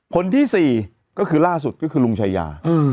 คนที่๔ก็คือล่าสุดก็คือลุงชายา